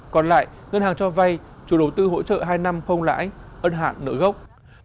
còn lại ngân hàng cho vay chủ đầu tư hỗ trợ hai năm không lãi ân hạn nợ gốc